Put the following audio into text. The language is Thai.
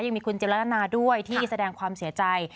ยังมีคุณจิลนาด้วยที่แสดงความเสียใจ